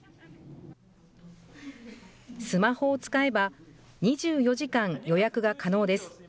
スマホを使えば、２４時間予約が可能です。